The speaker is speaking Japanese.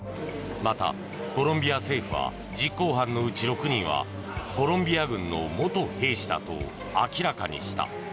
またコロンビア政府は実行犯のうち６人はコロンビア軍の元兵士だと明らかにした。